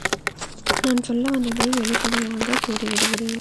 நான் சொல்ல வந்ததை வெளிப்படையாகக் கூறி விடுகிறேன்.